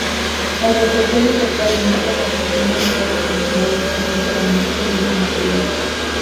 El repertorio tocado en estas actuaciones estaba conformado casi enteramente de nuevo material.